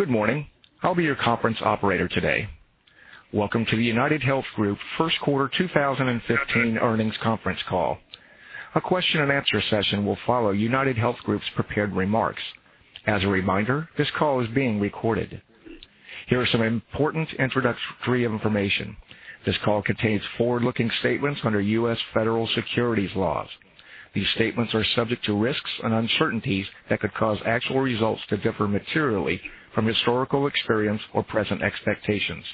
Good morning. I'll be your conference operator today. Welcome to the UnitedHealth Group first quarter 2015 earnings conference call. A question and answer session will follow UnitedHealth Group's prepared remarks. As a reminder, this call is being recorded. Here is some important introductory information. This call contains forward-looking statements under U.S. federal securities laws. These statements are subject to risks and uncertainties that could cause actual results to differ materially from historical experience or present expectations.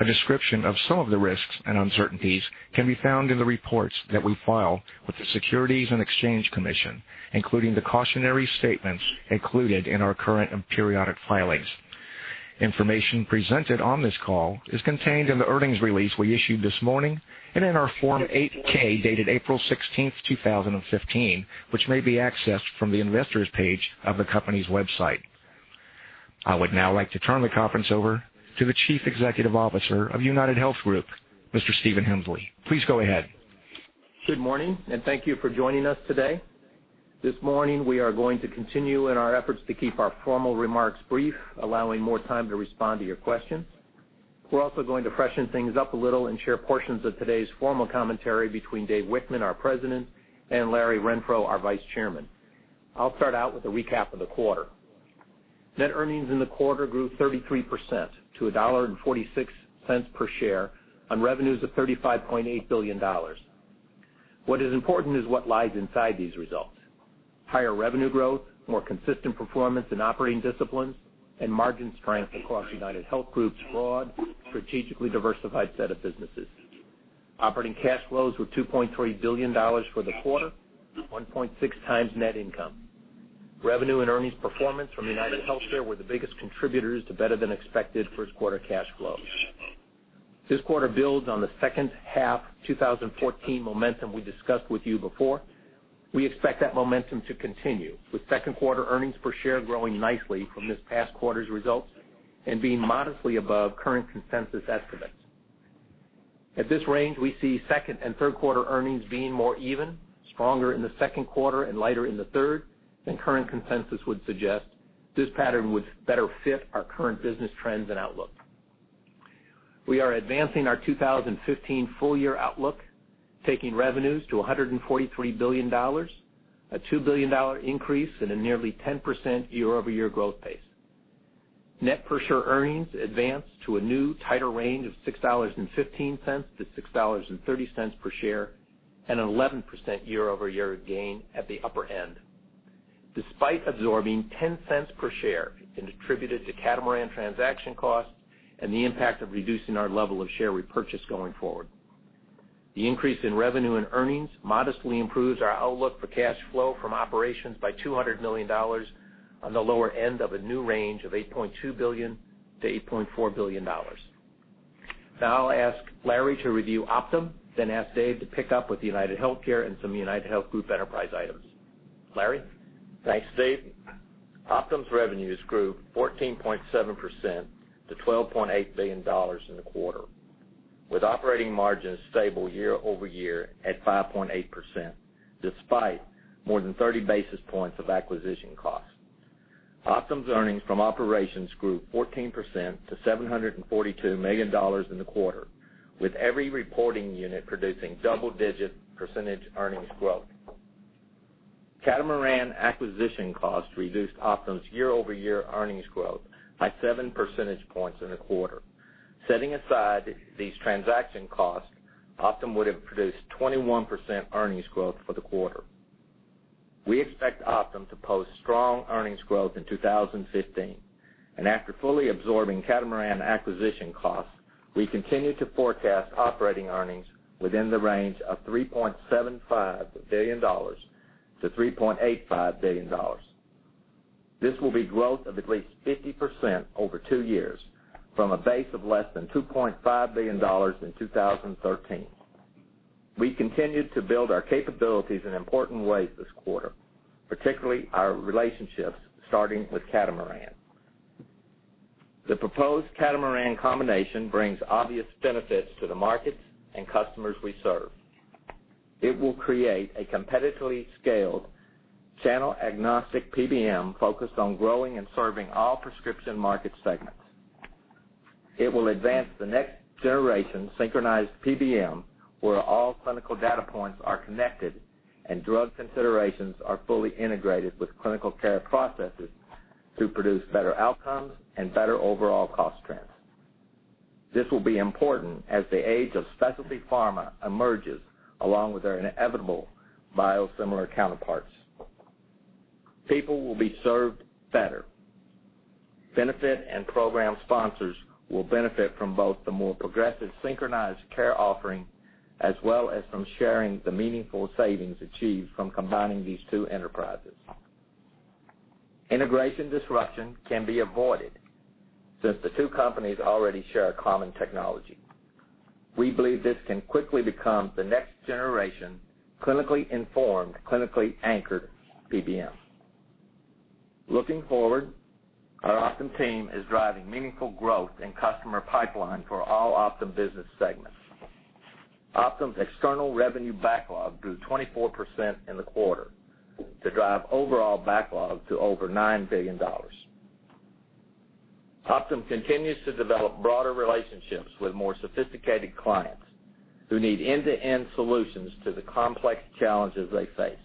A description of some of the risks and uncertainties can be found in the reports that we file with the Securities and Exchange Commission, including the cautionary statements included in our current and periodic filings. Information presented on this call is contained in the earnings release we issued this morning and in our Form 8-K, dated April 16th, 2015, which may be accessed from the investors page of the company's website. I would now like to turn the conference over to the Chief Executive Officer of UnitedHealth Group, Mr. Stephen Hemsley. Please go ahead. Good morning. Thank you for joining us today. This morning, we are going to continue in our efforts to keep our formal remarks brief, allowing more time to respond to your questions. We're also going to freshen things up a little and share portions of today's formal commentary between Dave Wichmann, our President, and Larry Renfro, our Vice Chairman. I'll start out with a recap of the quarter. Net earnings in the quarter grew 33% to $1.46 per share on revenues of $35.8 billion. What is important is what lies inside these results. Higher revenue growth, more consistent performance in operating disciplines, and margin strength across UnitedHealth Group's broad, strategically diversified set of businesses. Operating cash flows were $2.3 billion for the quarter, 1.6 times net income. Revenue and earnings performance from UnitedHealthcare were the biggest contributors to better than expected first quarter cash flows. This quarter builds on the second half 2014 momentum we discussed with you before. We expect that momentum to continue, with second quarter earnings per share growing nicely from this past quarter's results and being modestly above current consensus estimates. At this range, we see second and third quarter earnings being more even, stronger in the second quarter and lighter in the third than current consensus would suggest. This pattern would better fit our current business trends and outlook. We are advancing our 2015 full year outlook, taking revenues to $143 billion, a $2 billion increase and a nearly 10% year-over-year growth pace. Net per share earnings advanced to a new tighter range of $6.15 to $6.30 per share and an 11% year-over-year gain at the upper end. Despite absorbing $0.10 per share and attributed to Catamaran transaction costs and the impact of reducing our level of share repurchase going forward. The increase in revenue and earnings modestly improves our outlook for cash flow from operations by $200 million on the lower end of a new range of $8.2 billion to $8.4 billion. I'll ask Larry to review Optum, then ask Dave to pick up with UnitedHealthcare and some UnitedHealth Group enterprise items. Larry? Thanks, Steve. Optum's revenues grew 14.7% to $12.8 billion in the quarter, with operating margins stable year-over-year at 5.8%, despite more than 30 basis points of acquisition costs. Optum's earnings from operations grew 14% to $742 million in the quarter, with every reporting unit producing double-digit percentage earnings growth. Catamaran acquisition costs reduced Optum's year-over-year earnings growth by seven percentage points in the quarter. Setting aside these transaction costs, Optum would have produced 21% earnings growth for the quarter. We expect Optum to post strong earnings growth in 2015. After fully absorbing Catamaran acquisition costs, we continue to forecast operating earnings within the range of $3.75 billion to $3.85 billion. This will be growth of at least 50% over two years from a base of less than $2.5 billion in 2013. We continued to build our capabilities in important ways this quarter, particularly our relationships, starting with Catamaran. The proposed Catamaran combination brings obvious benefits to the markets and customers we serve. It will create a competitively scaled channel-agnostic PBM focused on growing and serving all prescription market segments. It will advance the next generation synchronized PBM, where all clinical data points are connected and drug considerations are fully integrated with clinical care processes to produce better outcomes and better overall cost trends. This will be important as the age of specialty pharma emerges, along with their inevitable biosimilar counterparts. People will be served better. Benefit and program sponsors will benefit from both the more progressive synchronized care offering, as well as from sharing the meaningful savings achieved from combining these two enterprises. Integration disruption can be avoided since the two companies already share a common technology. We believe this can quickly become the next generation, clinically informed, clinically anchored PBM. Looking forward, our Optum team is driving meaningful growth in customer pipeline for all Optum business segments. Optum's external revenue backlog grew 24% in the quarter to drive overall backlog to over $9 billion. Optum continues to develop broader relationships with more sophisticated clients who need end-to-end solutions to the complex challenges they face.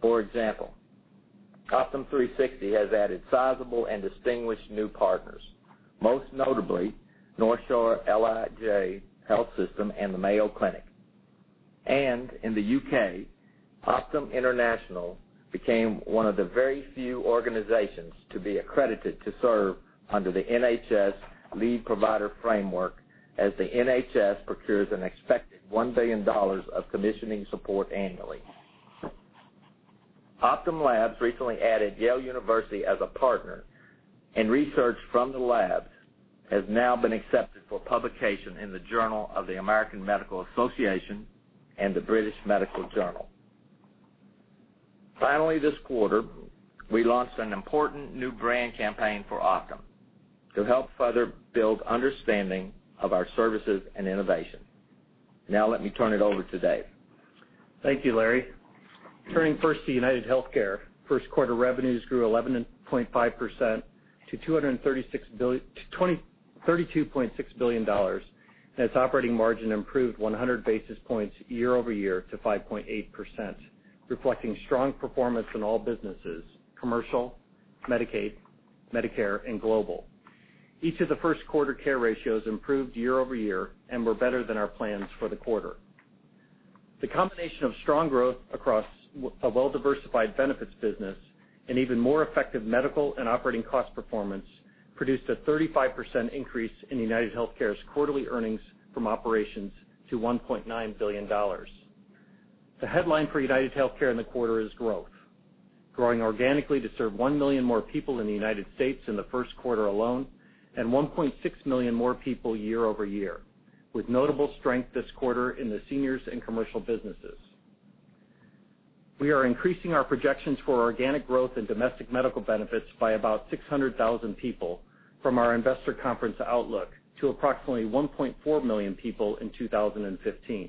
For example, Optum360 has added sizable and distinguished new partners, most notably North Shore-LIJ Health System and the Mayo Clinic. In the U.K., Optum International became one of the very few organizations to be accredited to serve under the NHS Lead Provider Framework as the NHS procures an expected $1 billion of commissioning support annually. Optum Labs recently added Yale University as a partner, and research from the lab has now been accepted for publication in the Journal of the American Medical Association and the British Medical Journal. Finally, this quarter, we launched an important new brand campaign for Optum to help further build understanding of our services and innovation. Now let me turn it over to Dave. Thank you, Larry. Turning first to UnitedHealthcare. First quarter revenues grew 11.5% to $32.6 billion. Its operating margin improved 100 basis points year-over-year to 5.8%, reflecting strong performance in all businesses: commercial, Medicaid, Medicare, and global. Each of the first quarter care ratios improved year-over-year and were better than our plans for the quarter. The combination of strong growth across a well-diversified benefits business and even more effective medical and operating cost performance produced a 35% increase in UnitedHealthcare's quarterly earnings from operations to $1.9 billion. The headline for UnitedHealthcare in the quarter is growth. Growing organically to serve 1 million more people in the U.S. in the first quarter alone and 1.6 million more people year-over-year, with notable strength this quarter in the seniors and commercial businesses. We are increasing our projections for organic growth and domestic medical benefits by about 600,000 people from our investor conference outlook to approximately 1.4 million people in 2015.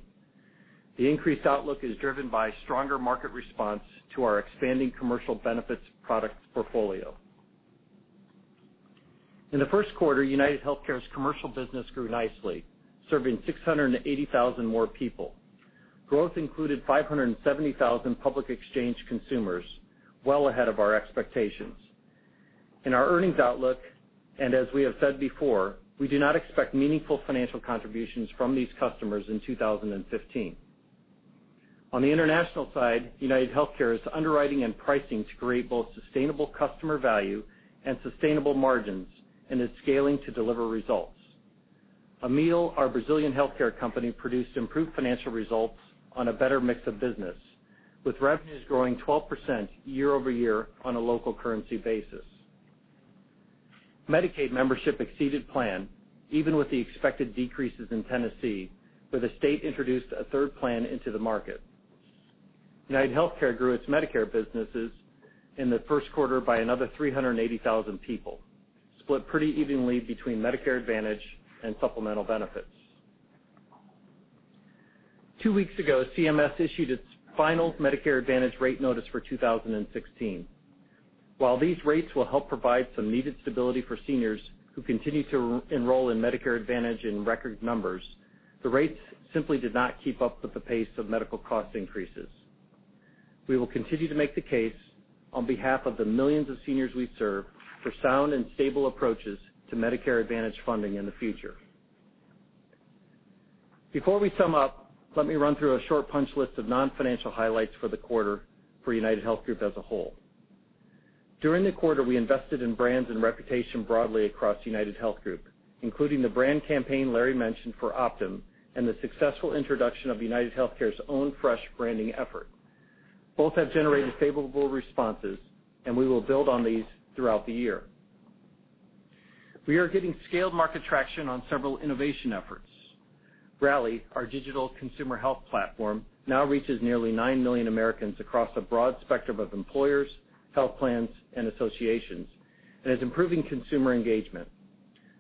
The increased outlook is driven by stronger market response to our expanding commercial benefits product portfolio. In the first quarter, UnitedHealthcare's commercial business grew nicely, serving 680,000 more people. Growth included 570,000 public exchange consumers, well ahead of our expectations. In our earnings outlook, as we have said before, we do not expect meaningful financial contributions from these customers in 2015. On the international side, UnitedHealthcare is underwriting and pricing to create both sustainable customer value and sustainable margins and is scaling to deliver results. Amil, our Brazilian healthcare company, produced improved financial results on a better mix of business, with revenues growing 12% year-over-year on a local currency basis. Medicaid membership exceeded plan even with the expected decreases in Tennessee, where the state introduced a third plan into the market. UnitedHealthcare grew its Medicare businesses in the first quarter by another 380,000 people, split pretty evenly between Medicare Advantage and supplemental benefits. Two weeks ago, CMS issued its final Medicare Advantage rate notice for 2016. While these rates will help provide some needed stability for seniors who continue to enroll in Medicare Advantage in record numbers, the rates simply did not keep up with the pace of medical cost increases. We will continue to make the case on behalf of the millions of seniors we serve for sound and stable approaches to Medicare Advantage funding in the future. Before we sum up, let me run through a short punch list of non-financial highlights for the quarter for UnitedHealth Group as a whole. During the quarter, we invested in brands and reputation broadly across UnitedHealth Group, including the brand campaign Larry mentioned for Optum and the successful introduction of UnitedHealthcare's own fresh branding effort. Both have generated favorable responses, and we will build on these throughout the year. We are getting scaled market traction on several innovation efforts. Rally, our digital consumer health platform, now reaches nearly 9 million Americans across a broad spectrum of employers, health plans, and associations and is improving consumer engagement.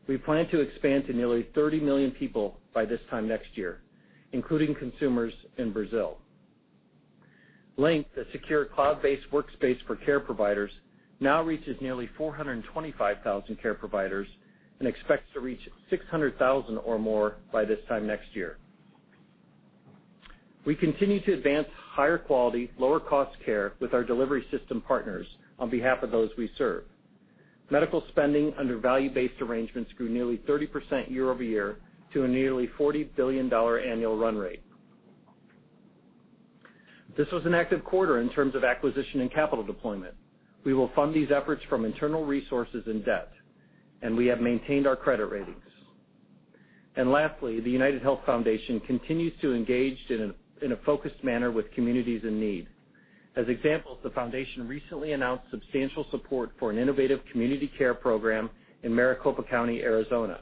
We plan to expand to nearly 30 million people by this time next year, including consumers in Brazil. Link, a secure cloud-based workspace for care providers, now reaches nearly 425,000 care providers and expects to reach 600,000 or more by this time next year. We continue to advance higher quality, lower cost care with our delivery system partners on behalf of those we serve. Medical spending under value-based arrangements grew nearly 30% year-over-year to a nearly $40 billion annual run rate. This was an active quarter in terms of acquisition and capital deployment. We will fund these efforts from internal resources and debt, and we have maintained our credit ratings. Lastly, the United Health Foundation continues to engage in a focused manner with communities in need. As examples, the foundation recently announced substantial support for an innovative community care program in Maricopa County, Arizona,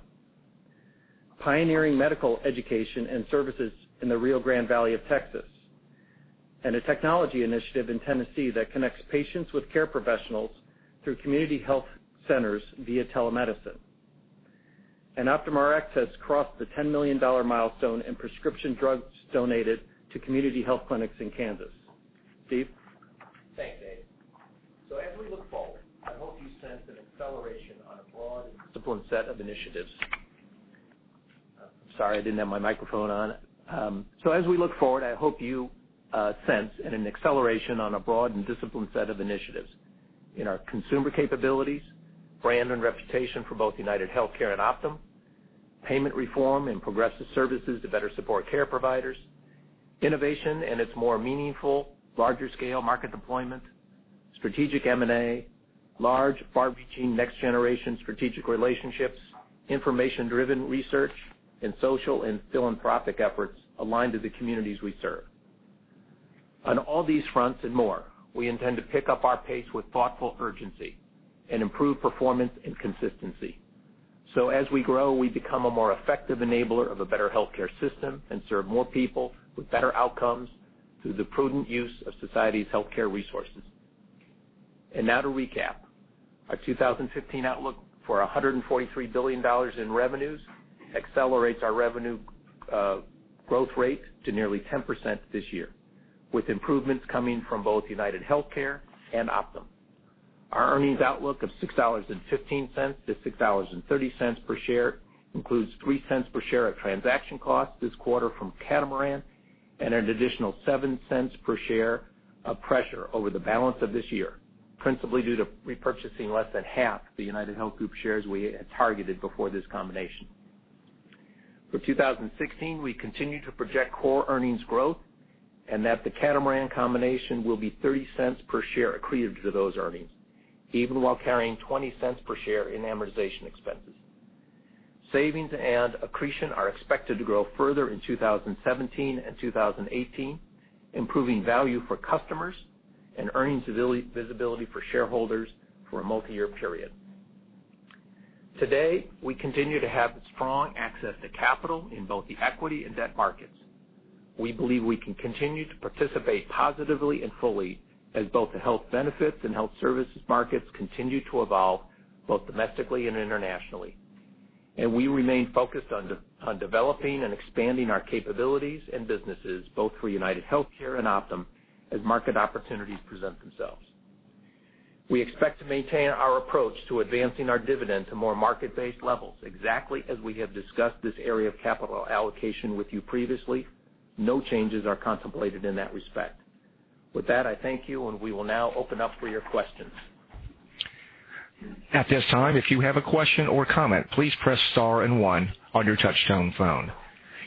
pioneering medical education and services in the Rio Grande Valley of Texas. A technology initiative in Tennessee that connects patients with care professionals through community health centers via telemedicine. OptumRx has crossed the $10 million milestone in prescription drugs donated to community health clinics in Kansas. Steve? Thanks, Dave. As we look forward, I hope you sense an acceleration on a broad and disciplined set of initiatives. Sorry, I didn't have my microphone on. As we look forward, I hope you sense and an acceleration on a broad and disciplined set of initiatives in our consumer capabilities, brand, and reputation for both UnitedHealthcare and Optum, payment reform, and progressive services to better support care providers, innovation and its more meaningful, larger scale market deployment, strategic M&A, large far-reaching next generation strategic relationships, information-driven research, and social and philanthropic efforts aligned to the communities we serve. On all these fronts and more, we intend to pick up our pace with thoughtful urgency and improve performance and consistency. As we grow, we become a more effective enabler of a better healthcare system and serve more people with better outcomes through the prudent use of society's healthcare resources. Now to recap. Our 2015 outlook for $143 billion in revenues accelerates our revenue growth rate to nearly 10% this year, with improvements coming from both UnitedHealthcare and Optum. Our earnings outlook of $6.15-$6.30 per share includes $0.03 per share of transaction cost this quarter from Catamaran and an additional $0.07 per share of pressure over the balance of this year, principally due to repurchasing less than half the UnitedHealth Group shares we had targeted before this combination. For 2016, we continue to project core earnings growth and that the Catamaran combination will be $0.30 per share accretive to those earnings, even while carrying $0.20 per share in amortization expenses. Savings and accretion are expected to grow further in 2017 and 2018, improving value for customers and earnings visibility for shareholders for a multi-year period. Today, we continue to have strong access to capital in both the equity and debt markets. We believe we can continue to participate positively and fully as both the health benefits and health services markets continue to evolve, both domestically and internationally. We remain focused on developing and expanding our capabilities and businesses, both for UnitedHealthcare and Optum, as market opportunities present themselves. We expect to maintain our approach to advancing our dividend to more market-based levels exactly as we have discussed this area of capital allocation with you previously. No changes are contemplated in that respect. With that, I thank you, and we will now open up for your questions. At this time, if you have a question or comment, please press star and one on your touchtone phone.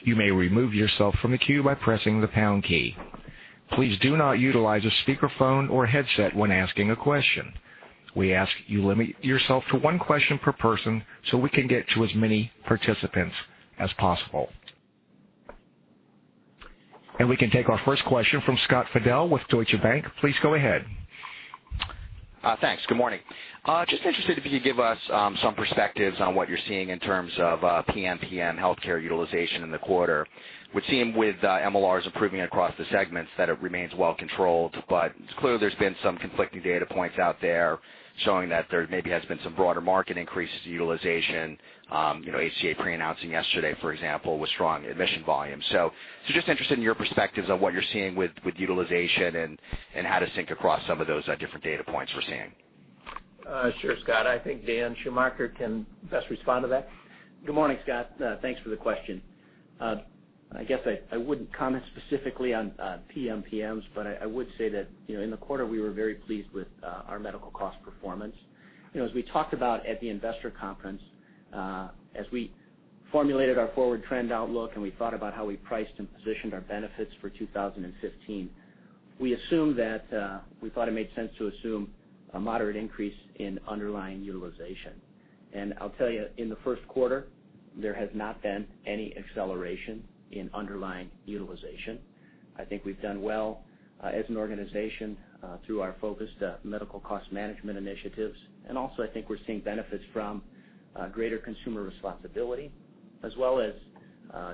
You may remove yourself from the queue by pressing the pound key. Please do not utilize a speakerphone or headset when asking a question. We ask you limit yourself to one question per person so we can get to as many participants as possible. We can take our first question from Scott Fidel with Deutsche Bank. Please go ahead. Thanks. Good morning. Just interested if you could give us some perspectives on what you're seeing in terms of PMPM healthcare utilization in the quarter. We've seen with MLRs improving across the segments that it remains well-controlled, but it's clear there's been some conflicting data points out there showing that there maybe has been some broader market increases in utilization. ACA pre-announcing yesterday, for example, with strong admission volume. Just interested in your perspectives on what you're seeing with utilization and how to sync across some of those different data points we're seeing. Sure, Scott. I think Dan Schumacher can best respond to that. Good morning, Scott. Thanks for the question. I guess I wouldn't comment specifically on PMPMs, but I would say that in the quarter, we were very pleased with our medical cost performance. As we talked about at the investor conference, as we formulated our forward trend outlook and we thought about how we priced and positioned our benefits for 2015, we thought it made sense to assume a moderate increase in underlying utilization. I'll tell you, in the first quarter, there has not been any acceleration in underlying utilization. I think we've done well as an organization through our focused medical cost management initiatives. Also, I think we're seeing benefits from greater consumer responsibility as well as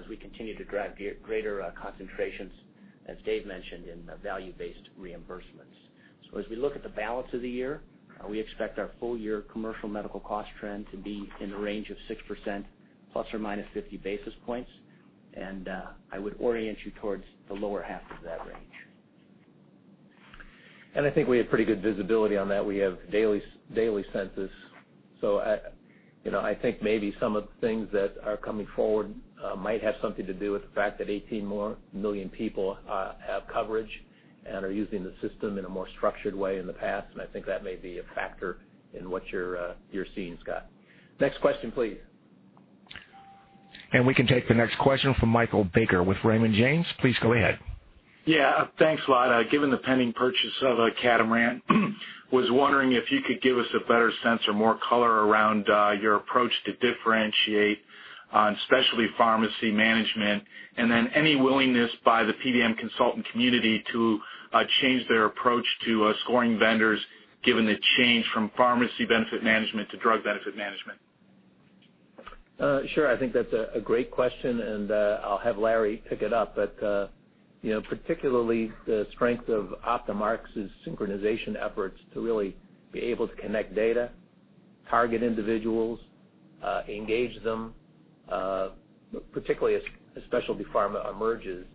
we continue to drive greater concentrations, as Dave mentioned, in value-based reimbursements. As we look at the balance of the year, we expect our full year commercial medical cost trend to be in the range of 6% plus or minus 50 basis points. I would orient you towards the lower half of that range. I think we have pretty good visibility on that. We have daily census. I think maybe some of the things that are coming forward might have something to do with the fact that 18 million people have coverage and are using the system in a more structured way in the past. I think that may be a factor in what you're seeing, Scott. Next question, please. We can take the next question from Michael Baker with Raymond James. Please go ahead. Thanks a lot. Given the pending purchase of Catamaran, was wondering if you could give us a better sense or more color around your approach to differentiate on specialty pharmacy management, and then any willingness by the PBM consultant community to change their approach to scoring vendors given the change from pharmacy benefit management to drug benefit management? Sure. I think that's a great question, and I'll have Larry pick it up. Particularly, the strength of OptumRx's synchronization efforts to really be able to connect data, target individuals, engage them, particularly as specialty pharma emerges,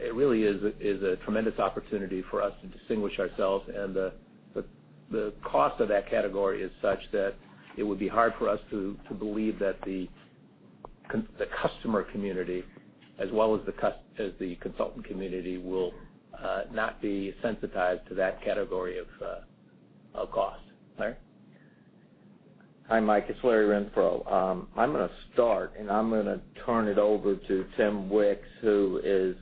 it really is a tremendous opportunity for us to distinguish ourselves. The cost of that category is such that it would be hard for us to believe that the customer community, as well as the consultant community, will not be sensitized to that category of cost. Larry? Hi, Mike. It's Larry Renfro. I'm going to start, and I'm going to turn it over to Tim Wicks, who is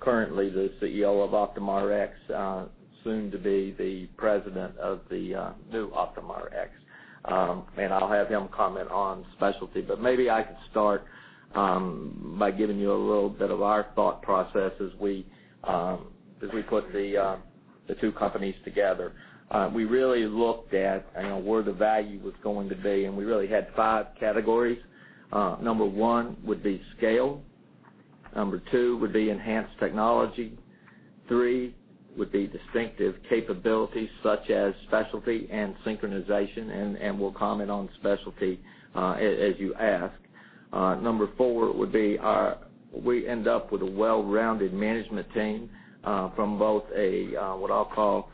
currently the CEO of OptumRx, soon to be the President of the new OptumRx, and I'll have him comment on specialty. Maybe I can start by giving you a little bit of our thought process as we put the two companies together. We really looked at where the value was going to be, and we really had 5 categories. Number 1 would be scale. Number 2 would be enhanced technology. Three would be distinctive capabilities, such as specialty and synchronization, and we'll comment on specialty as you ask. Number 4 would be, we end up with a well-rounded management team from both a, what I'll call,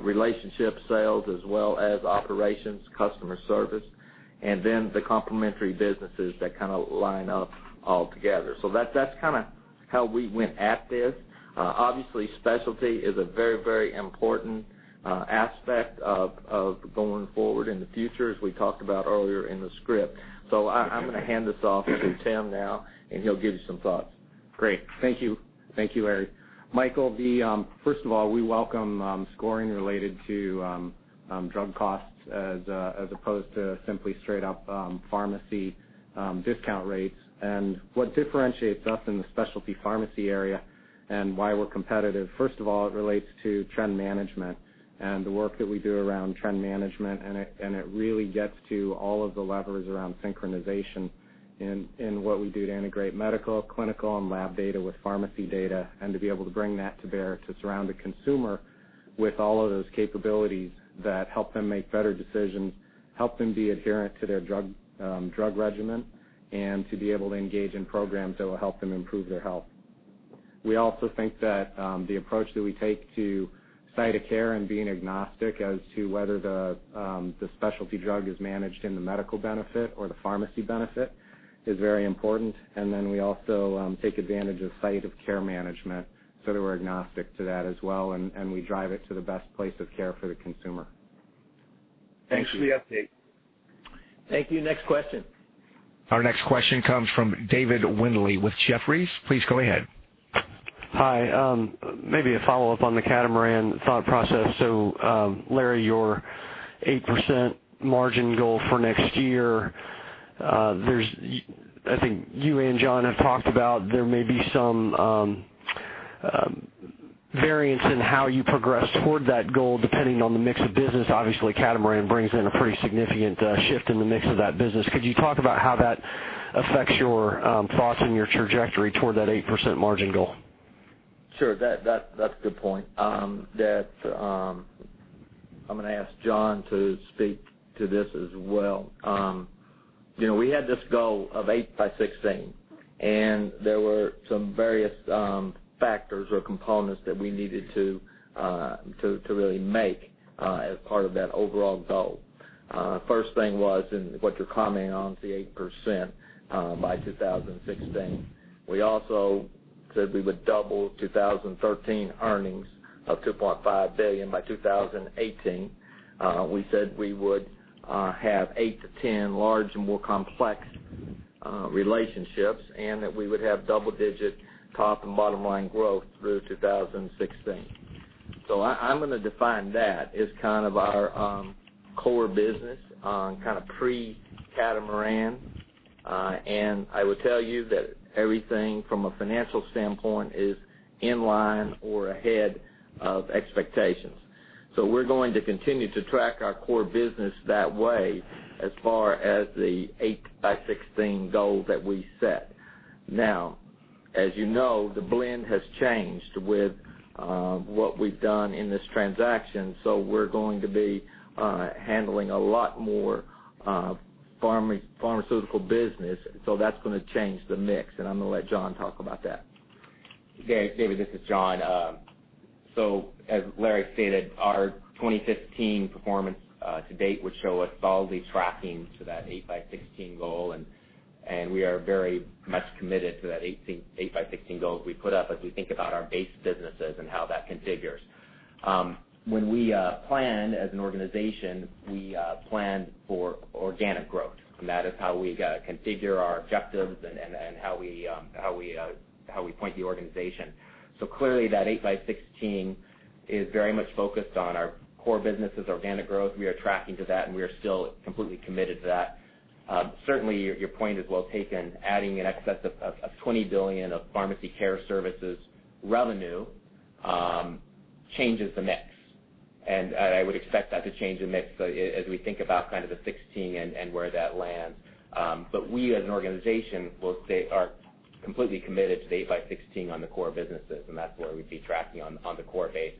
relationship sales as well as operations, customer service. The complementary businesses that kind of line up all together. That's kind of how we went at this. Obviously, specialty is a very important aspect of going forward in the future, as we talked about earlier in the script. I'm going to hand this off to Tim now, and he'll give you some thoughts. Great. Thank you, Larry. Michael, first of all, we welcome scoring related to drug costs as opposed to simply straight up pharmacy discount rates. What differentiates us in the specialty pharmacy area and why we're competitive, first of all, it relates to trend management and the work that we do around trend management, and it really gets to all of the levers around synchronization in what we do to integrate medical, clinical, and lab data with pharmacy data. To be able to bring that to bear, to surround the consumer with all of those capabilities that help them make better decisions, help them be adherent to their drug regimen, and to be able to engage in programs that will help them improve their health. We also think that the approach that we take to site of care and being agnostic as to whether the specialty drug is managed in the medical benefit or the pharmacy benefit is very important. We also take advantage of site of care management so that we're agnostic to that as well, and we drive it to the best place of care for the consumer. Thanks for the update. Thank you. Next question. Our next question comes from David Windley with Jefferies. Please go ahead. Hi. Maybe a follow-up on the Catamaran thought process. Larry, your 8% margin goal for next year, I think you and John have talked about there may be some variance in how you progress toward that goal, depending on the mix of business. Obviously, Catamaran brings in a pretty significant shift in the mix of that business. Could you talk about how that affects your thoughts and your trajectory toward that 8% margin goal? Sure. That's a good point. I'm going to ask John to speak to this as well. We had this goal of 8% by 2016, there were some various factors or components that we needed to really make as part of that overall goal. First thing was, what you're commenting on, the 8% by 2016. We also said we would double 2013 earnings of $2.5 billion by 2018. We said we would have eight to 10 large and more complex relationships, that we would have double-digit top and bottom-line growth through 2016. I'm going to define that as kind of our core business on kind of pre-Catamaran. I would tell you that everything from a financial standpoint is in line or ahead of expectations. We're going to continue to track our core business that way, as far as the 8% by 2016 that we set. Now, as you know, the blend has changed with what we've done in this transaction. We're going to be handling a lot more pharmaceutical business. That's going to change the mix, I'm going to let John talk about that. David, this is John. As Larry stated, our 2015 performance to date would show us solidly tracking to that 8% by 2016, we are very much committed to that8% by 2016 goal as we put up, as we think about our base businesses and how that configures. When we plan as an organization, we plan for organic growth, that is how we configure our objectives and how we point the organization. Clearly, that 8% by 2016 is very much focused on our core business' organic growth. We are tracking to that, we are still completely committed to that. Certainly, your point is well taken. Adding in excess of $20 billion of pharmacy care services revenue changes the mix I would expect that to change in mix as we think about kind of the 2016 and where that lands. We as an organization are completely committed to 8% by 2016 on the core businesses, and that's where we'd be tracking on the core base,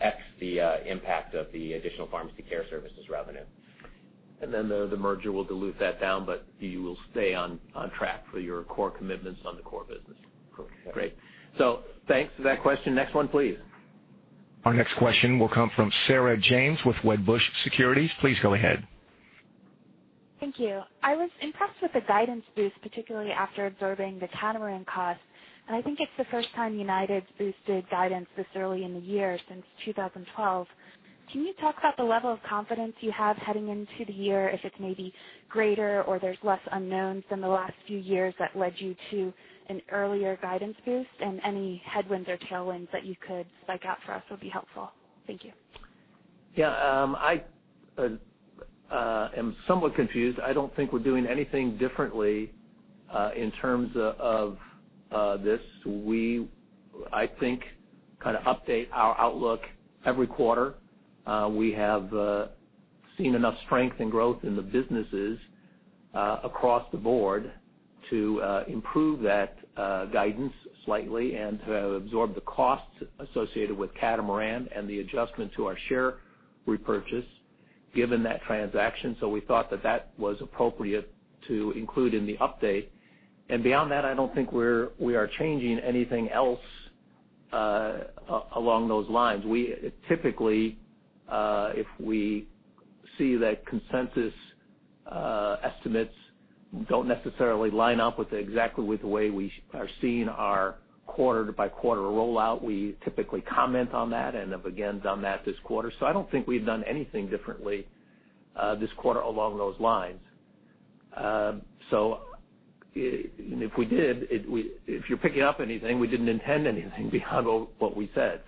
ex the impact of the additional pharmacy care services revenue. The merger will dilute that down, you will stay on track for your core commitments on the core business. Correct. Great. Thanks for that question. Next one, please. Our next question will come from Sarah James with Wedbush Securities. Please go ahead. Thank you. I was impressed with the guidance boost, particularly after absorbing the Catamaran costs. I think it's the first time United's boosted guidance this early in the year since 2012. Can you talk about the level of confidence you have heading into the year, if it's maybe greater or there's less unknowns than the last few years that led you to an earlier guidance boost, and any headwinds or tailwinds that you could point out for us would be helpful. Thank you. Yeah. I am somewhat confused. I don't think we're doing anything differently in terms of this. We, I think, update our outlook every quarter. We have seen enough strength and growth in the businesses across the board to improve that guidance slightly and to absorb the costs associated with Catamaran and the adjustment to our share repurchase given that transaction. We thought that that was appropriate to include in the update. Beyond that, I don't think we are changing anything else along those lines. Typically, if we see that consensus estimates don't necessarily line up exactly with the way we are seeing our quarter-by-quarter rollout, we typically comment on that and have again done that this quarter. I don't think we've done anything differently this quarter along those lines. If we did, if you're picking up anything, we didn't intend anything beyond what we said.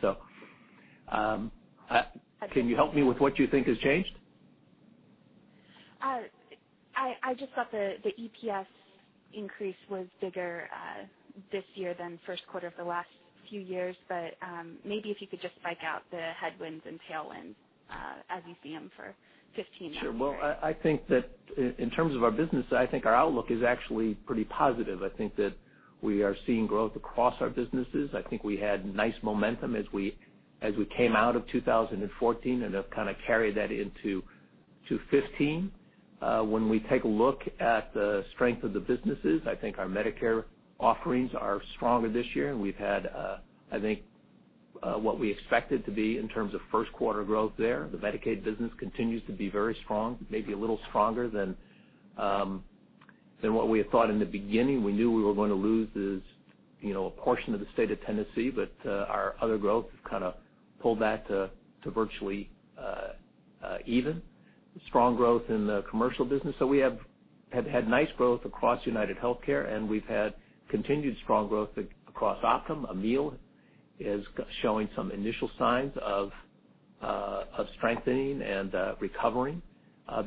Can you help me with what you think has changed? I just thought the EPS increase was bigger this year than first quarter for the last few years. Maybe if you could just point out the headwinds and tailwinds as you see them for 2015. Sure. Well, I think that in terms of our business, I think our outlook is actually pretty positive. I think that we are seeing growth across our businesses. I think we had nice momentum as we came out of 2014 and have kind of carried that into 2015. When we take a look at the strength of the businesses, I think our Medicare offerings are stronger this year, and we've had, I think, what we expected to be in terms of first quarter growth there. The Medicaid business continues to be very strong, maybe a little stronger than what we had thought in the beginning. We knew we were going to lose a portion of the state of Tennessee, but our other growth has kind of pulled that to virtually even. Strong growth in the commercial business. We have had nice growth across UnitedHealthcare, and we've had continued strong growth across Optum. Amil is showing some initial signs of strengthening and recovering.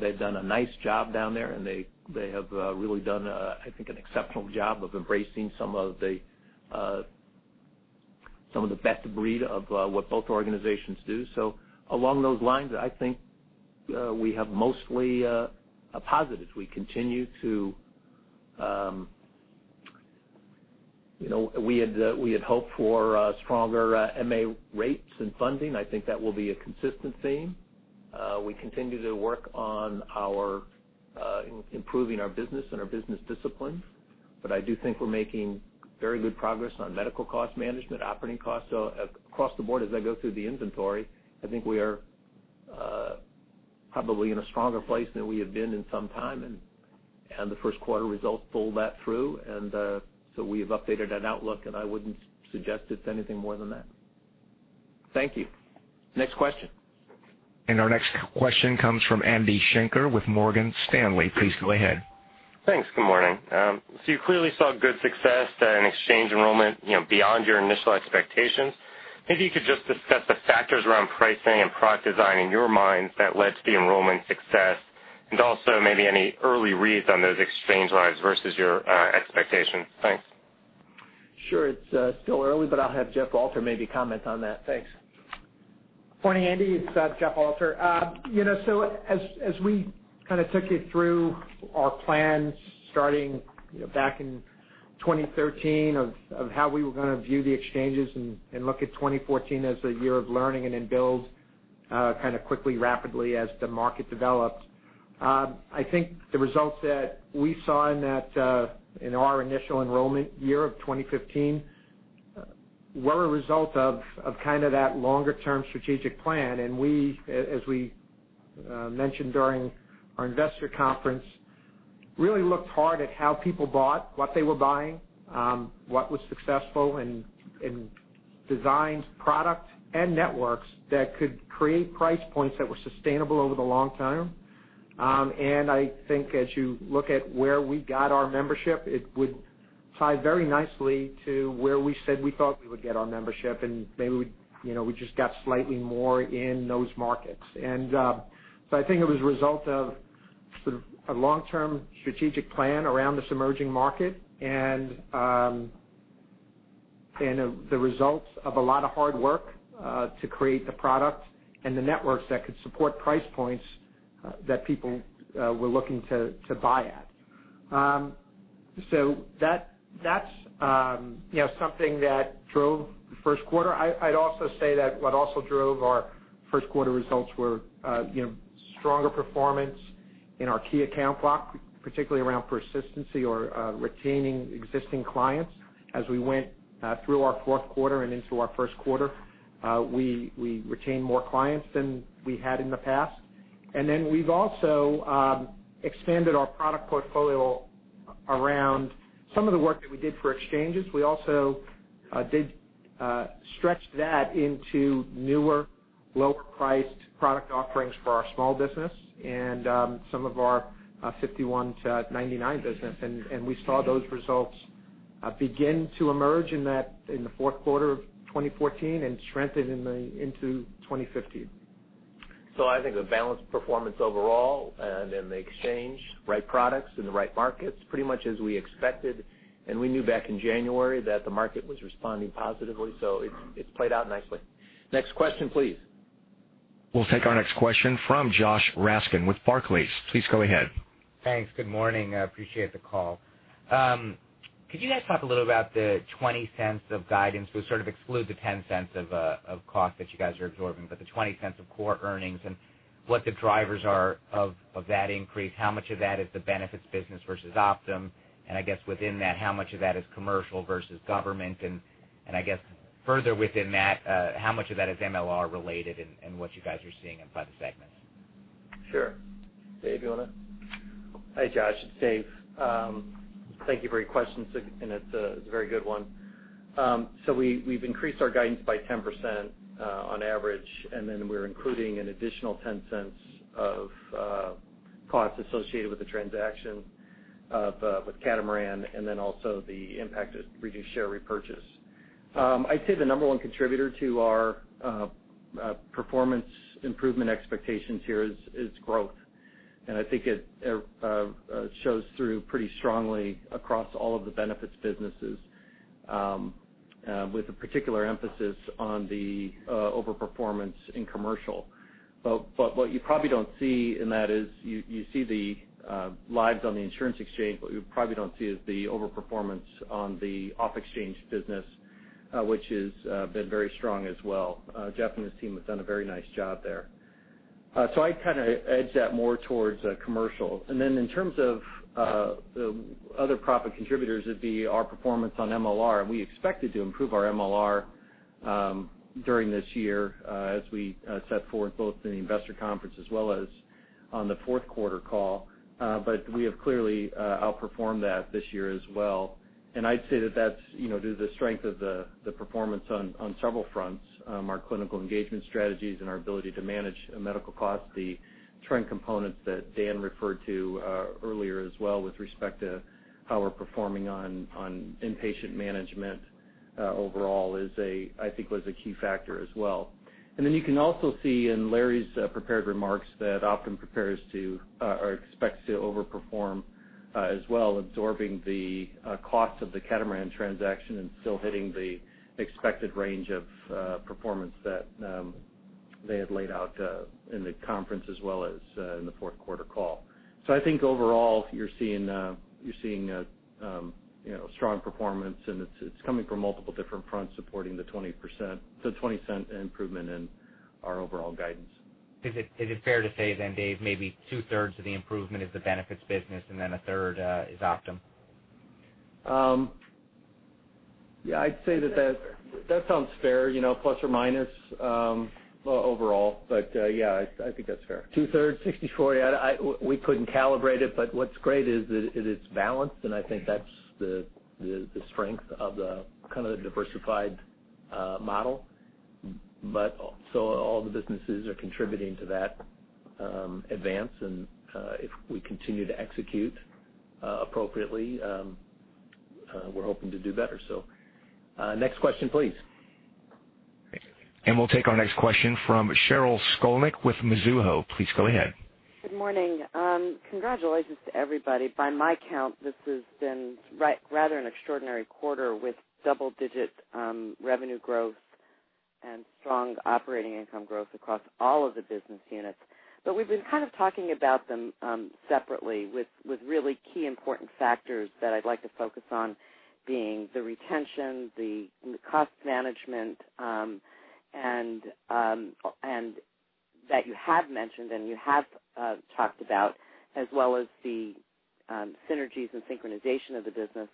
They've done a nice job down there, and they have really done, I think, an exceptional job of embracing some of the best of breed of what both organizations do. Along those lines, I think we have mostly positives. We had hoped for stronger MA rates and funding. I think that will be a consistent theme. We continue to work on improving our business and our business discipline, but I do think we're making very good progress on medical cost management, operating costs. Across the board, as I go through the inventory, I think we are probably in a stronger place than we have been in some time, and the first quarter results pull that through. We have updated that outlook, and I wouldn't suggest it's anything more than that. Thank you. Next question. Our next question comes from Andrew Schenker with Morgan Stanley. Please go ahead. Thanks. Good morning. You clearly saw good success in exchange enrollment beyond your initial expectations. Maybe you could just discuss the factors around pricing and product design in your minds that led to the enrollment success, and also maybe any early reads on those exchange lives versus your expectations. Thanks. Sure. It's still early, but I'll have Jeff Alter maybe comment on that. Thanks. Morning, Andy. It's Jeff Alter. As we kind of took you through our plans starting back in 2013 of how we were going to view the exchanges and look at 2014 as a year of learning and then build kind of quickly, rapidly as the market developed, I think the results that we saw in our initial enrollment year of 2015 were a result of that longer-term strategic plan. As we mentioned during our investor conference, really looked hard at how people bought, what they were buying, what was successful, and designed product and networks that could create price points that were sustainable over the long term. I think as you look at where we got our membership, it would tie very nicely to where we said we thought we would get our membership, and maybe we just got slightly more in those markets. I think it was a result of a long-term strategic plan around this emerging market and The results of a lot of hard work to create the product and the networks that could support price points that people were looking to buy at. That's something that drove the first quarter. I'd also say that what also drove our first quarter results were stronger performance in our key account block, particularly around persistency or retaining existing clients as we went through our fourth quarter and into our first quarter. We retained more clients than we had in the past. We've also expanded our product portfolio around some of the work that we did for exchanges. We also did stretch that into newer, lower priced product offerings for our small business and some of our 51 to 99 business. We saw those results begin to emerge in the fourth quarter of 2014 and strengthen into 2015. I think a balanced performance overall and in the exchange, right products in the right markets, pretty much as we expected. We knew back in January that the market was responding positively, it's played out nicely. Next question, please. We'll take our next question from Joshua Raskin with Barclays. Please go ahead. Thanks. Good morning. I appreciate the call. Could you guys talk a little about the $0.20 of guidance, sort of exclude the $0.10 of cost that you guys are absorbing, but the $0.20 of core earnings, and what the drivers are of that increase? How much of that is the benefits business versus Optum? I guess within that, how much of that is commercial versus government? I guess, further within that, how much of that is MLR related and what you guys are seeing by the segments? Sure. Dave, you want to? Hi, Josh, it's Dave. Thank you for your question. It's a very good one. We've increased our guidance by 10% on average, then we're including an additional $0.10 of costs associated with the transaction with Catamaran, then also the impact of reduced share repurchase. I'd say the number one contributor to our performance improvement expectations here is growth. I think it shows through pretty strongly across all of the benefits businesses, with a particular emphasis on the over-performance in commercial. What you probably don't see in that is, you see the lives on the insurance exchange, but what you probably don't see is the over-performance on the off-exchange business, which has been very strong as well. Jeff and his team have done a very nice job there. I'd kind of edge that more towards commercial. Then in terms of the other profit contributors, it'd be our performance on MLR. We expected to improve our MLR during this year as we set forth both in the investor conference as well as on the fourth quarter call. We have clearly outperformed that this year as well. I'd say that that's due to the strength of the performance on several fronts. Our clinical engagement strategies and our ability to manage medical costs, the trend components that Dan referred to earlier as well with respect to how we're performing on inpatient management overall I think was a key factor as well. Then you can also see in Larry's prepared remarks that Optum prepares to, or expects to over-perform as well, absorbing the cost of the Catamaran transaction and still hitting the expected range of performance that they had laid out in the conference as well as in the fourth quarter call. I think overall, you're seeing a strong performance, and it's coming from multiple different fronts supporting the $0.20 improvement in our overall guidance. Is it fair to say, Dave, maybe two-thirds of the improvement is the benefits business and a third is Optum? I'd say that sounds fair, plus or minus overall. I think that's fair. Two-thirds, 64. We couldn't calibrate it, but what's great is that it is balanced, and I think that's the strength of the kind of the diversified model. All the businesses are contributing to that advance, and if we continue to execute appropriately, we're hoping to do better. Next question, please. We'll take our next question from Sheryl Skolnick with Mizuho. Please go ahead. Good morning. Congratulations to everybody. By my count, this has been rather an extraordinary quarter with double-digit revenue growth and strong operating income growth across all of the business units. We've been kind of talking about them separately with really key important factors that I'd like to focus on being the retention, the cost management, and that you have mentioned and you have talked about, as well as the synergies and synchronization of the business,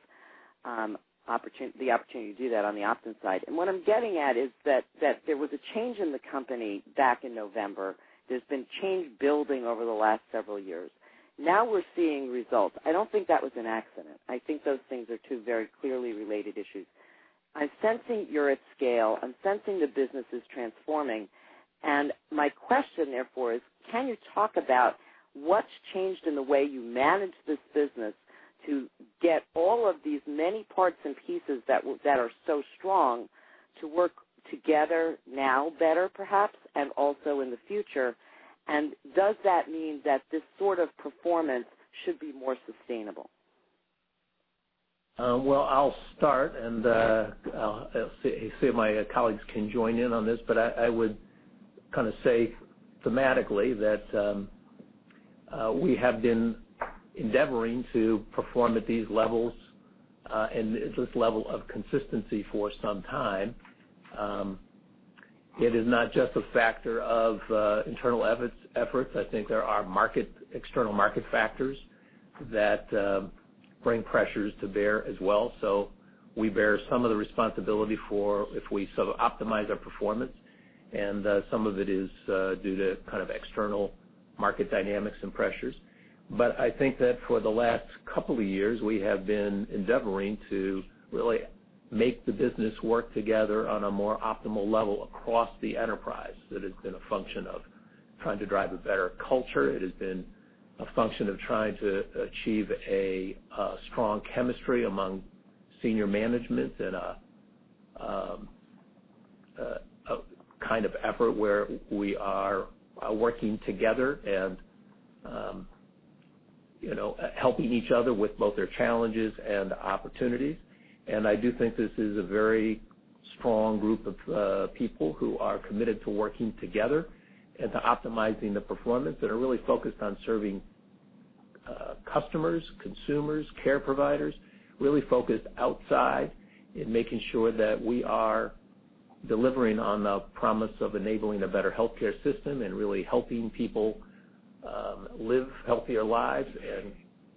the opportunity to do that on the Optum side. What I'm getting at is that there was a change in the company back in November. There's been change building over the last several years. Now we're seeing results. I don't think that was an accident. I think those things are two very clearly related issues. I'm sensing you're at scale. I'm sensing the business is transforming. My question, therefore, is can you talk about what's changed in the way you manage this business to get all of these many parts and pieces that are so strong to work together now better perhaps, and also in the future. Does that mean that this sort of performance should be more sustainable? Well, I'll start and see if my colleagues can join in on this. I would say thematically that we have been endeavoring to perform at these levels, and at this level of consistency for some time. It is not just a factor of internal efforts. I think there are external market factors that bring pressures to bear as well. We bear some of the responsibility for if we sort of optimize our performance, and some of it is due to kind of external market dynamics and pressures. I think that for the last couple of years, we have been endeavoring to really make the business work together on a more optimal level across the enterprise. It has been a function of trying to drive a better culture. It has been a function of trying to achieve a strong chemistry among senior management and a kind of effort where we are working together and helping each other with both their challenges and opportunities. I do think this is a very strong group of people who are committed to working together and to optimizing the performance, that are really focused on serving customers, consumers, care providers, really focused outside in making sure that we are delivering on the promise of enabling a better healthcare system and really helping people live healthier lives and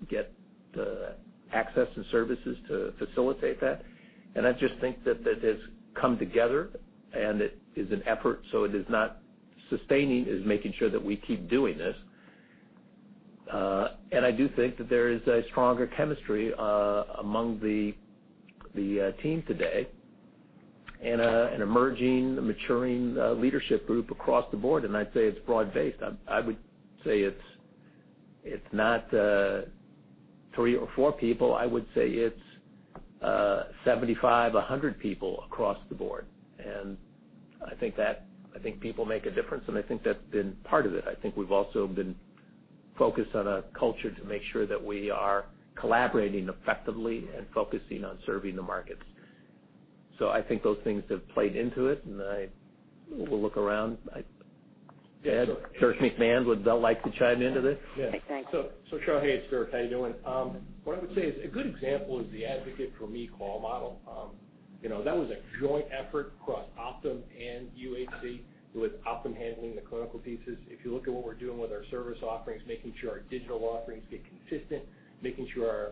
get the access and services to facilitate that. I just think that has come together, and it is an effort, so it is not sustaining. It is making sure that we keep doing this. I do think that there is a stronger chemistry among the team today and an emerging, maturing leadership group across the board, and I'd say it's broad-based. I would say it's not three or four people. I would say it's 75, 100 people across the board. I think people make a difference, and I think that's been part of it. I think we've also been focused on a culture to make sure that we are collaborating effectively and focusing on serving the markets. I think those things have played into it, and I will look around and Dirk, Wicks, Dan, would y'all like to chime into this? Thanks. Sheryl, hey, it's Dirk. How you doing? What I would say is a good example is the Advocate4Me call model. That was a joint effort across Optum and UHC, with Optum handling the clinical pieces. If you look at what we're doing with our service offerings, making sure our digital offerings get consistent, making sure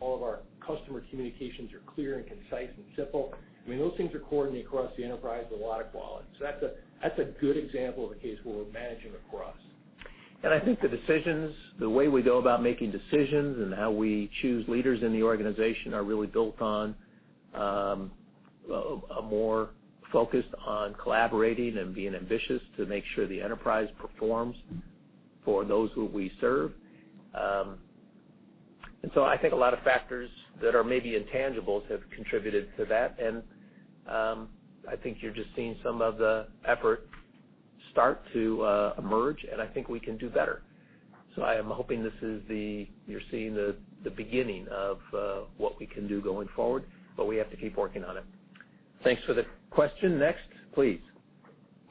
all of our customer communications are clear and concise and simple. I mean, those things are coordinated across the enterprise with a lot of quality. That's a good example of a case where we're managing across. I think the decisions, the way we go about making decisions, and how we choose leaders in the organization are really built on a more focus on collaborating and being ambitious to make sure the enterprise performs for those who we serve. I think a lot of factors that are maybe intangibles have contributed to that, and I think you're just seeing some of the effort start to emerge, and I think we can do better. I am hoping you're seeing the beginning of what we can do going forward, but we have to keep working on it. Thanks for the question. Next, please.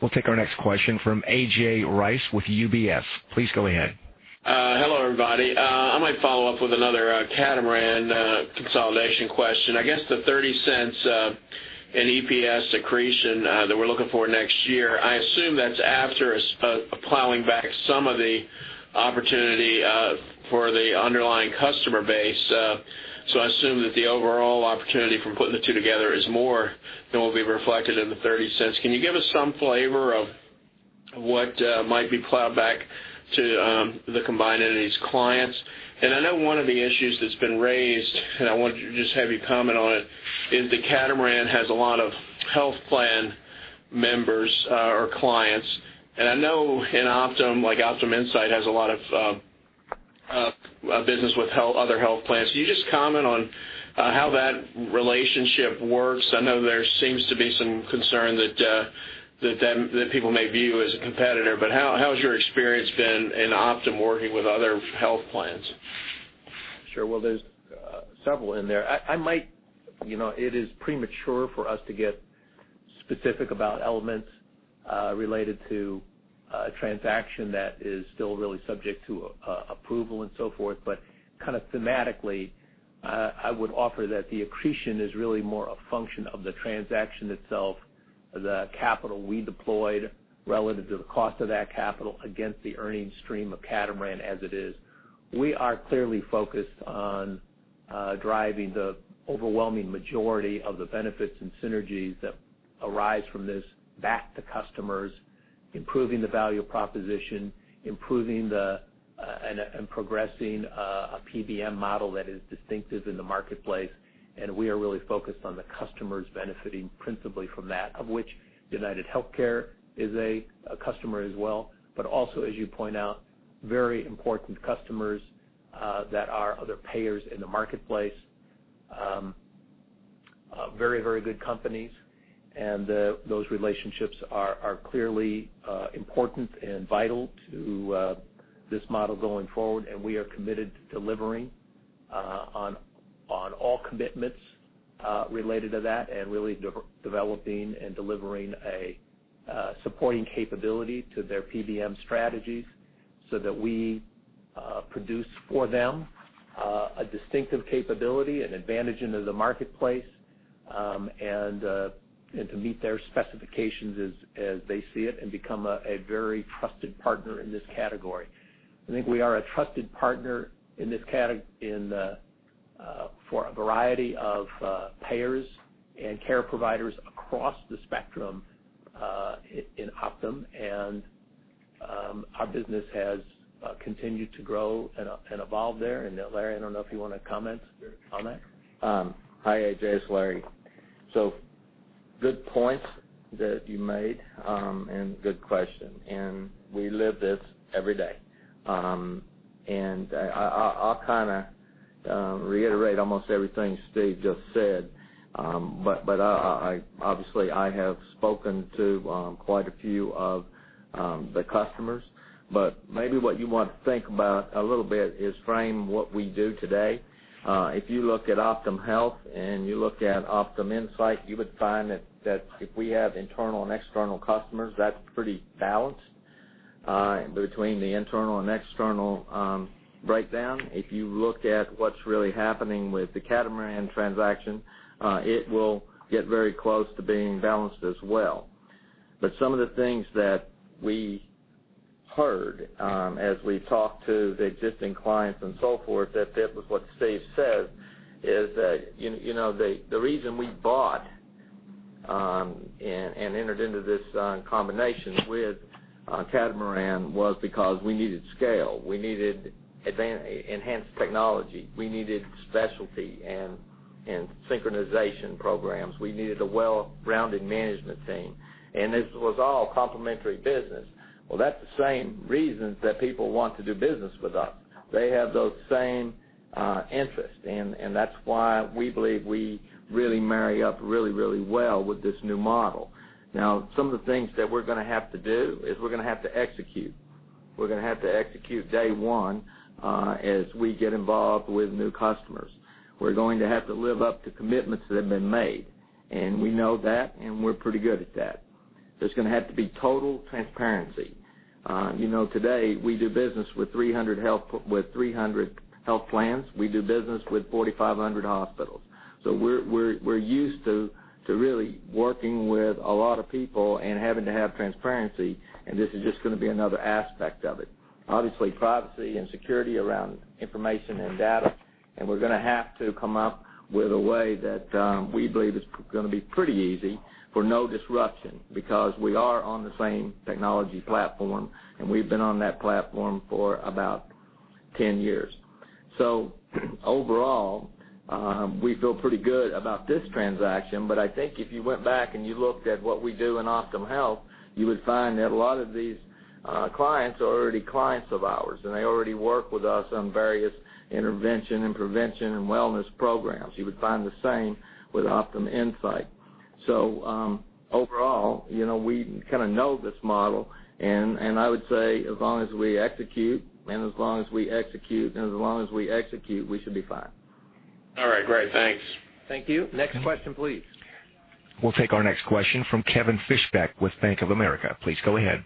We'll take our next question from A.J. Rice with UBS. Please go ahead. Hello, everybody. I might follow up with another Catamaran consolidation question. I guess the $0.30 in EPS accretion that we're looking for next year, I assume that's after plowing back some of the opportunity for the underlying customer base. I assume that the overall opportunity from putting the two together is more than will be reflected in the $0.30. Can you give us some flavor of what might be plowed back to the combining of these clients? I know one of the issues that's been raised, and I want to just have you comment on it, is that Catamaran has a lot of health plan members or clients, and I know in Optum, like OptumInsight has a lot of business with other health plans. Can you just comment on how that relationship works? I know there seems to be some concern that people may view as a competitor, how has your experience been in Optum working with other health plans? Sure. Well, there's several in there. It is premature for us to get specific about elements related to a transaction that is still really subject to approval and so forth. Kind of thematically, I would offer that the accretion is really more a function of the transaction itself, the capital we deployed relative to the cost of that capital against the earnings stream of Catamaran as it is. We are clearly focused on driving the overwhelming majority of the benefits and synergies that arise from this back to customers, improving the value proposition, improving and progressing a PBM model that is distinctive in the marketplace, and we are really focused on the customers benefiting principally from that, of which UnitedHealthcare is a customer as well, but also, as you point out, very important customers that are other payers in the marketplace. Very good companies. Those relationships are clearly important and vital to this model going forward, and we are committed to delivering on all commitments related to that and really developing and delivering a supporting capability to their PBM strategies so that we produce for them a distinctive capability and advantage into the marketplace, and to meet their specifications as they see it and become a very trusted partner in this category. I think we are a trusted partner for a variety of payers and care providers across the spectrum in Optum, and our business has continued to grow and evolve there. Now, Larry, I don't know if you want to comment. Sure. Hi, A.J., it's Larry. Good points that you made, good question. We live this every day. I'll reiterate almost everything Steve just said. I have spoken to quite a few of the customers, what you want to think about a little bit is frame what we do today. If you look at Optum Health and you look at Optum Insight, you would find that if we have internal and external customers, that's pretty balanced between the internal and external breakdown. If you look at what's really happening with the Catamaran transaction, it will get very close to being balanced as well. Some of the things that we heard as we talked to the existing clients and so forth, that fits with what Steve said, is that the reason we bought and entered into this combination with Catamaran was because we needed scale, we needed enhanced technology, we needed specialty and synchronization programs. We needed a well-rounded management team, this was all complementary business. That's the same reasons that people want to do business with us. They have those same interests, that's why we believe we really marry up really well with this new model. Some of the things that we're going to have to do is we're going to have to execute. We're going to have to execute day one as we get involved with new customers. We're going to have to live up to commitments that have been made, we know that, we're pretty good at that. There's going to have to be total transparency. Today, we do business with 300 health plans. We do business with 4,500 hospitals. We're used to really working with a lot of people having to have transparency, this is just going to be another aspect of it. Obviously, privacy and security around information and data, we're going to have to come up with a way that we believe is going to be pretty easy for no disruption because we are on the same technology platform, we've been on that platform for about 10 years. Overall, we feel pretty good about this transaction. I think if you went back and you looked at what we do in Optum Health, you would find that a lot of these clients are already clients of ours, they already work with us on various intervention and prevention and wellness programs. You would find the same with Optum Insight. Overall, we kind of know this model, I would say as long as we execute, as long as we execute, as long as we execute, we should be fine. All right. Great. Thanks. Thank you. Next question, please. We'll take our next question from Kevin Fischbeck with Bank of America. Please go ahead.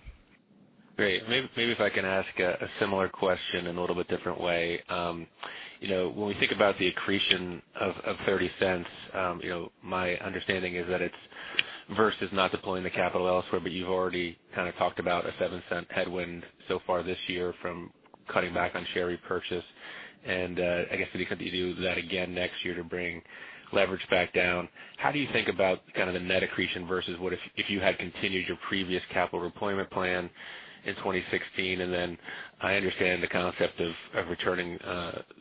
Great. Maybe if I can ask a similar question in a little bit different way. When we think about the accretion of $0.30, my understanding is that it's versus not deploying the capital elsewhere, but you've already kind of talked about a $0.07 headwind so far this year from cutting back on share repurchase. I guess if you do that again next year to bring leverage back down, how do you think about kind of the net accretion versus what if you had continued your previous capital deployment plan in 2016? Then I understand the concept of returning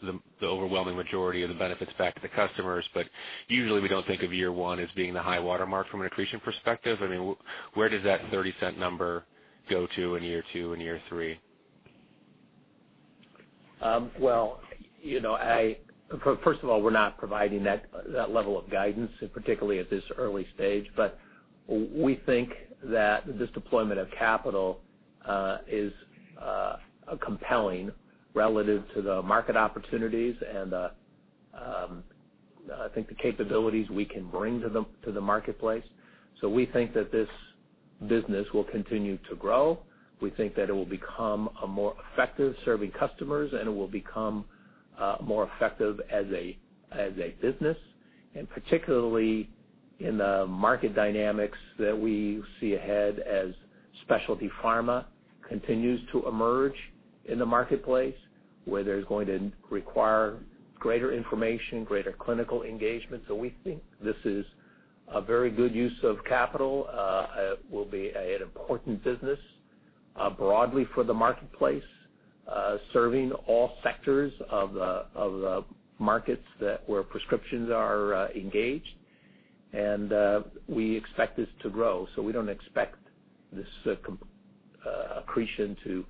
the overwhelming majority of the benefits back to the customers. Usually, we don't think of year one as being the high water mark from an accretion perspective. Where does that $0.30 number go to in year two and year three? First of all, we're not providing that level of guidance, particularly at this early stage. We think that this deployment of capital is compelling relative to the market opportunities and, I think the capabilities we can bring to the marketplace. We think that this business will continue to grow. We think that it will become more effective serving customers, and it will become more effective as a business, and particularly in the market dynamics that we see ahead as specialty pharma continues to emerge in the marketplace, where there's going to require greater information, greater clinical engagement. We think this is a very good use of capital. It will be an important business broadly for the marketplace, serving all sectors of the markets where prescriptions are engaged. We expect this to grow. We don't expect this accretion to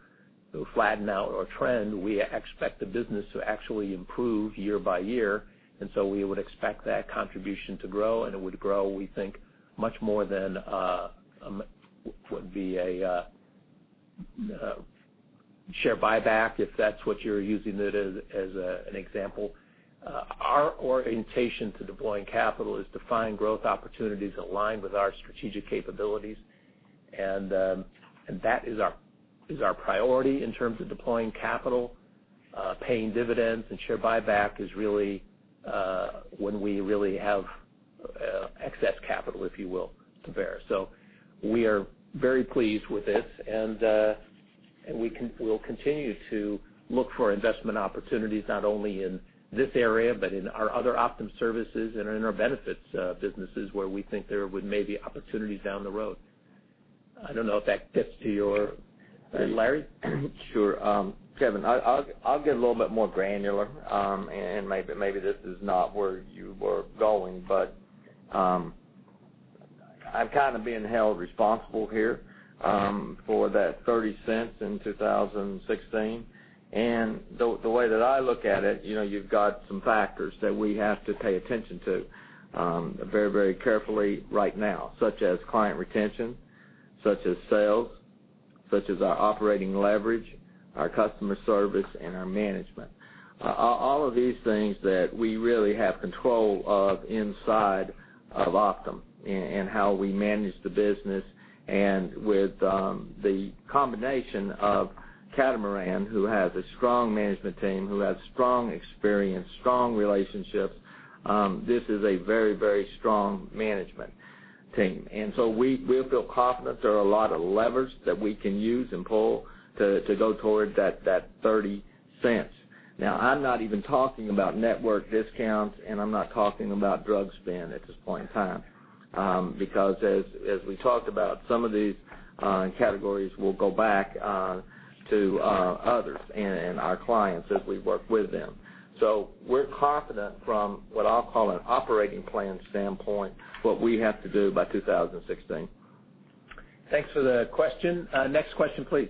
flatten out or trend. We expect the business to actually improve year by year. We would expect that contribution to grow, and it would grow, we think, much more than would be a share buyback, if that's what you're using it as an example. Our orientation to deploying capital is to find growth opportunities aligned with our strategic capabilities. That is our priority in terms of deploying capital, paying dividends, and share buyback is really when we really have excess capital, if you will, to bear. We are very pleased with this, and we'll continue to look for investment opportunities not only in this area but in our other Optum services and in our benefits businesses where we think there would may be opportunities down the road. I don't know if that gets to your- Larry? Sure. Kevin, I'll get a little bit more granular, and maybe this is not where you were going, but I'm being held responsible here for that $0.30 in 2016. The way that I look at it, you've got some factors that we have to pay attention to very carefully right now. Such as client retention, such as sales, such as our operating leverage, our customer service, and our management. All of these things that we really have control of inside of Optum and how we manage the business. With the combination of Catamaran, who has a strong management team, who has strong experience, strong relationships, this is a very strong management team. We feel confident there are a lot of levers that we can use and pull to go towards that $0.30. I'm not even talking about network discounts, and I'm not talking about drug spend at this point in time. As we talked about, some of these categories will go back to others and our clients as we work with them. We're confident from what I'll call an operating plan standpoint, what we have to do by 2016. Thanks for the question. Next question, please.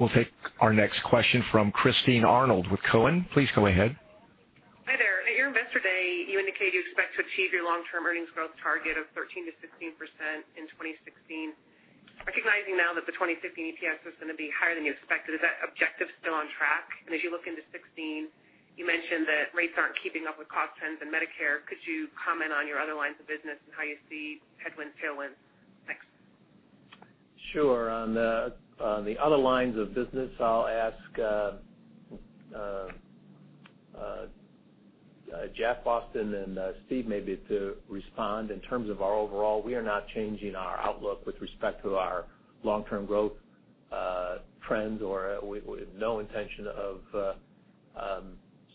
We'll take our next question from Christine Arnold with Cowen. Please go ahead. Hi there. At your Investor Day, you indicated you expect to achieve your long-term earnings growth target of 13%-16% in 2016. Recognizing now that the 2015 EPS is going to be higher than you expected, is that objective still on track? As you look into 2016, you mentioned that rates aren't keeping up with cost trends and Medicare. Could you comment on your other lines of business and how you see headwinds, tailwinds? Thanks. Sure. On the other lines of business, I'll ask Jeff Alter and Steve maybe to respond in terms of our overall. We are not changing our outlook with respect to our long-term growth trends or no intention of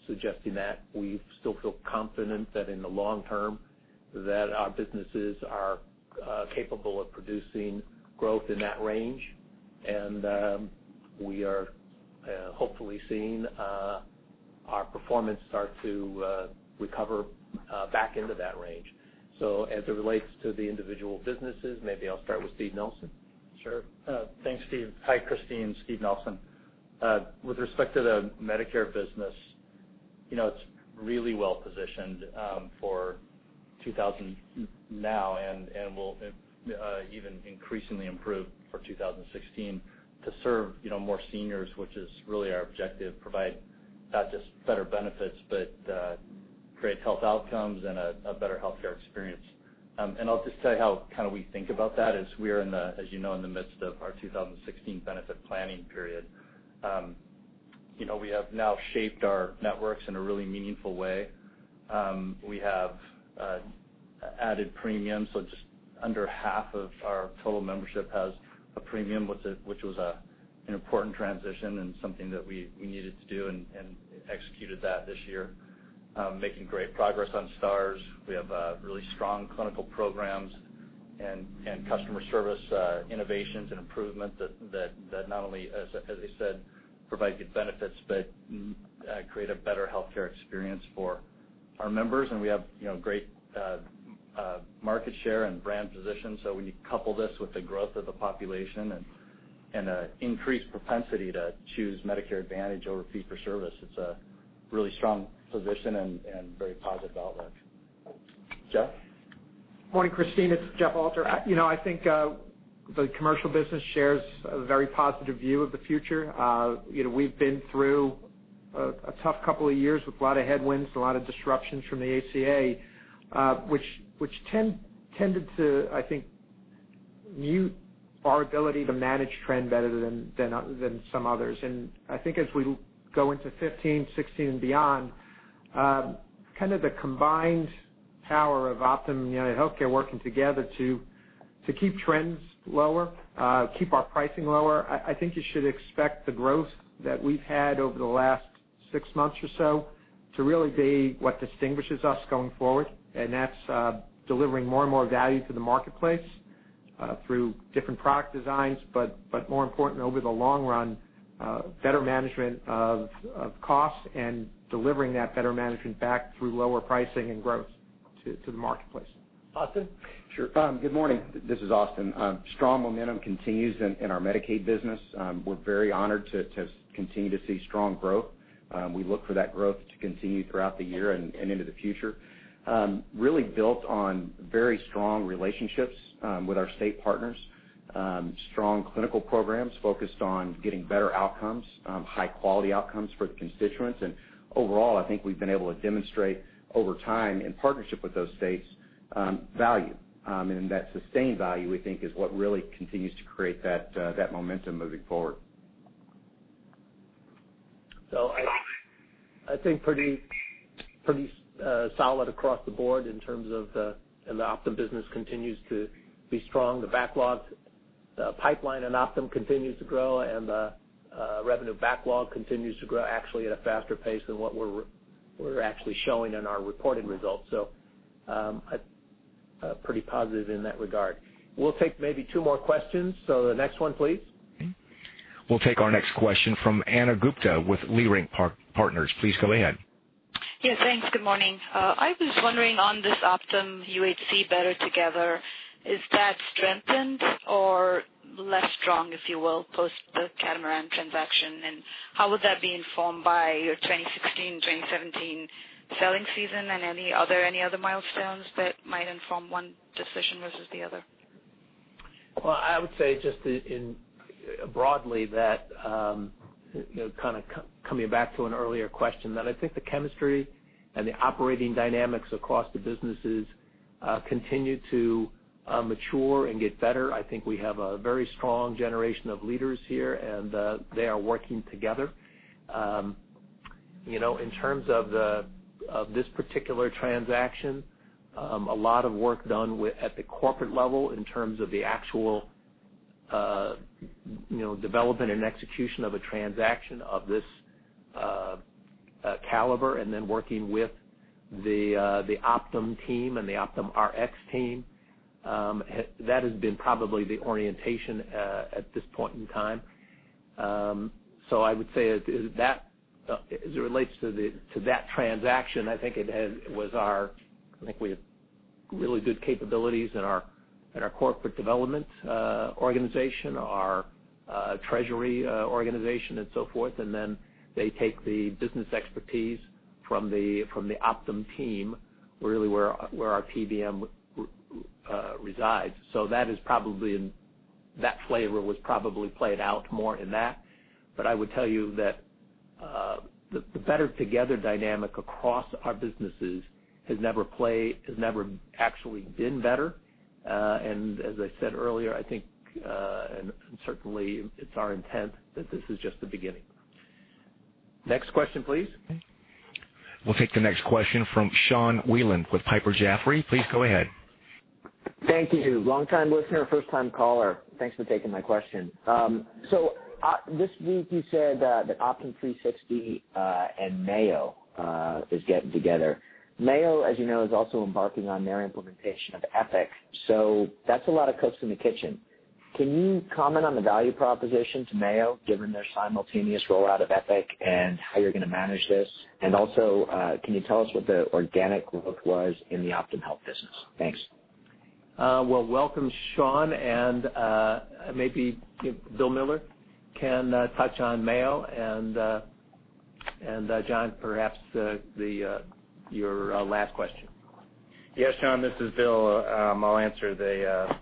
suggesting that. We still feel confident that in the long term, that our businesses are capable of producing growth in that range. We are hopefully seeing our performance start to recover back into that range. As it relates to the individual businesses, maybe I'll start with Steve Nelson. Sure. Thanks, Steve. Hi, Christine, Steve Nelson. With respect to the Medicare business, it's really well positioned for now and will even increasingly improve for 2016 to serve more seniors, which is really our objective, provide not just better benefits, but great health outcomes and a better healthcare experience. I'll just tell you how we think about that as we are in the, as you know, in the midst of our 2016 benefit planning period. We have now shaped our networks in a really meaningful way. We have added premiums, so just under half of our total membership has a premium, which was an important transition and something that we needed to do and executed that this year. Making great progress on Stars. We have really strong clinical programs and customer service innovations and improvement that not only, as I said, provide good benefits, but create a better healthcare experience for our members. We have great market share and brand position. When you couple this with the growth of the population and an increased propensity to choose Medicare Advantage over fee for service, it's a really strong position and very positive outlook. Jeff? Morning, Christine. It's Jeff Alter. I think the commercial business shares a very positive view of the future. We've been through a tough couple of years with a lot of headwinds, a lot of disruptions from the ACA, which tended to, I think, mute our ability to manage trend better than some others. I think as we go into 2015, 2016, and beyond, the combined power of Optum and UnitedHealthcare working together to keep trends lower, keep our pricing lower. I think you should expect the growth that we've had over the last six months or so to really be what distinguishes us going forward, and that's delivering more and more value to the marketplace. Through different product designs, but more important over the long run, better management of costs and delivering that better management back through lower pricing and growth to the marketplace. Austin? Sure. Good morning. This is Austin. Strong momentum continues in our Medicaid business. We're very honored to continue to see strong growth. We look for that growth to continue throughout the year and into the future, really built on very strong relationships with our state partners, strong clinical programs focused on getting better outcomes, high quality outcomes for the constituents. Overall, I think we've been able to demonstrate over time, in partnership with those states, value. That sustained value, we think is what really continues to create that momentum moving forward. I think pretty solid across the board in terms of the Optum business continues to be strong. The pipeline in Optum continues to grow, and the revenue backlog continues to grow, actually at a faster pace than what we're actually showing in our reported results. Pretty positive in that regard. We'll take maybe two more questions. The next one, please. Okay. We'll take our next question from Ana Gupte with Leerink Partners. Please go ahead. Yes, thanks. Good morning. I was wondering on this Optum-UHC better together, is that strengthened or less strong, if you will, post the Catamaran transaction? How would that be informed by your 2016, 2017 selling season, and are there any other milestones that might inform one decision versus the other? Well, I would say just broadly that, kind of coming back to an earlier question, that I think the chemistry and the operating dynamics across the businesses continue to mature and get better. I think we have a very strong generation of leaders here, and they are working together. In terms of this particular transaction, a lot of work done at the corporate level in terms of the actual development and execution of a transaction of this caliber, and then working with the Optum team and the OptumRx team. That has been probably the orientation at this point in time. I would say, as it relates to that transaction, I think we have really good capabilities in our corporate development organization, our treasury organization and so forth, and then they take the business expertise from the Optum team, really where our PBM resides. That flavor was probably played out more in that. I would tell you that the better together dynamic across our businesses has never actually been better. As I said earlier, I think, and certainly it's our intent that this is just the beginning. Next question, please. Okay. We'll take the next question from Sean Wieland with Piper Jaffray. Please go ahead. Thank you. Long time listener, first time caller. Thanks for taking my question. This week you said that Optum360 and Mayo is getting together. Mayo, as you know, is also embarking on their implementation of Epic, so that's a lot of cooks in the kitchen. Can you comment on the value proposition to Mayo, given their simultaneous rollout of Epic and how you're going to manage this? Also, can you tell us what the organic growth was in the Optum Health business? Thanks. Well, welcome, Sean, and maybe William Munsell can touch on Mayo, and John, perhaps your last question. Yes, Sean, this is Bill. I'll answer the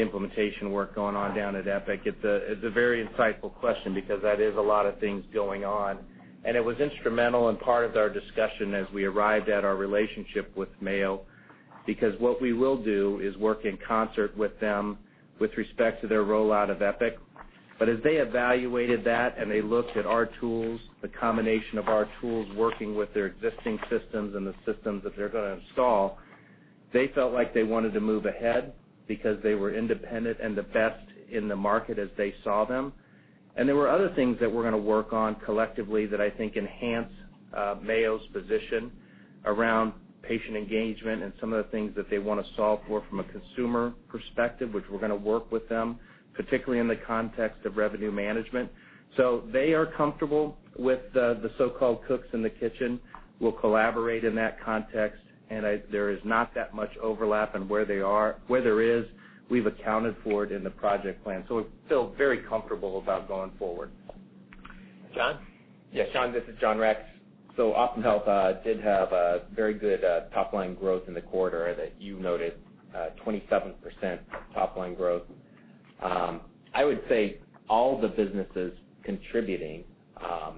implementation work going on down at Epic. It's a very insightful question because that is a lot of things going on, and it was instrumental and part of our discussion as we arrived at our relationship with Mayo, because what we will do is work in concert with them with respect to their rollout of Epic. As they evaluated that and they looked at our tools, the combination of our tools working with their existing systems and the systems that they're going to install, they felt like they wanted to move ahead because they were independent and the best in the market as they saw them. There were other things that we're going to work on collectively that I think enhance Mayo's position around patient engagement and some of the things that they want to solve for from a consumer perspective, which we're going to work with them, particularly in the context of revenue management. They are comfortable with the so-called cooks in the kitchen. We'll collaborate in that context, and there is not that much overlap in where they are. Where there is, we've accounted for it in the project plan. We feel very comfortable about going forward. John? Yes, Sean, this is John Rex. Optum Health did have a very good top-line growth in the quarter that you noted, 27% top-line growth. I would say all the businesses contributing.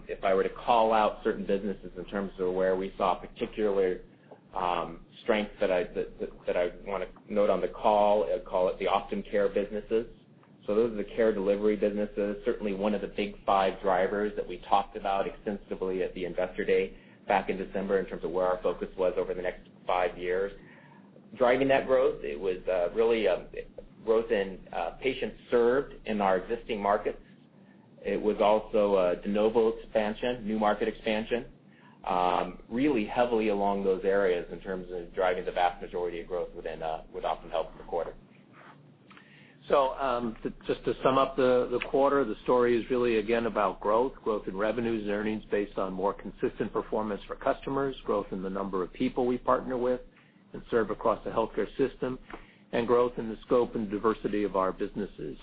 If I were to call out certain businesses in terms of where we saw particular strength that I want to note on the call, I'd call it the Optum Care businesses. Those are the care delivery businesses, certainly one of the big five drivers that we talked about extensively at the investor day back in December in terms of where our focus was over the next five years. Driving that growth, it was really a growth in patients served in our existing markets. It was also de novo expansion, new market expansion, really heavily along those areas in terms of driving the vast majority of growth with Optum Health in the quarter. Just to sum up the quarter, the story is really, again, about growth in revenues and earnings based on more consistent performance for customers, growth in the number of people we partner with and serve across the healthcare system, and growth in the scope and diversity of our businesses.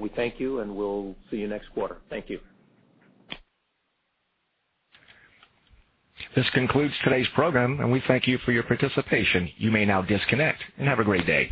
We thank you, and we'll see you next quarter. Thank you. This concludes today's program, and we thank you for your participation. You may now disconnect. Have a great day.